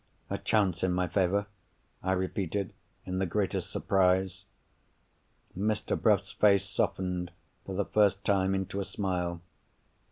"A chance in my favour?" I repeated, in the greatest surprise. Mr. Bruff's face softened, for the first time, into a smile.